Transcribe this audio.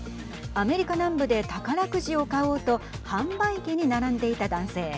アメリカ南部で宝くじを買おうと販売機に並んでいた男性。